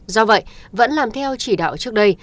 do vậy vẫn làm theo chỉ đạo trước đây